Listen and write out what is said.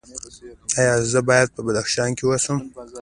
ایا زه باید په بدخشان کې اوسم؟